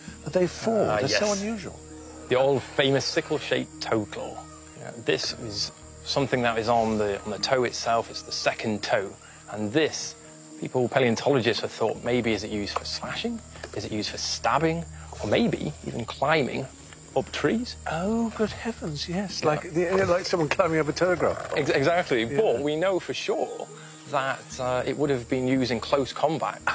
そうです。